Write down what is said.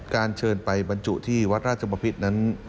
การเชิญไปบรรจุที่วัดราชบพิษนั้น